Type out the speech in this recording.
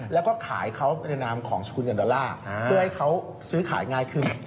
แล้วก็ขายเขาในนามของสกุลเงินดอลลาร์เพื่อให้เขาซื้อขายง่ายขึ้น